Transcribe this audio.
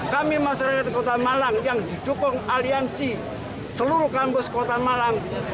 kami masyarakat kota malang yang didukung aliansi seluruh kampus kota malang